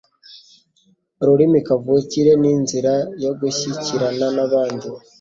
Ururimi kavukire ni inzira yo gushyikirana n'abandi.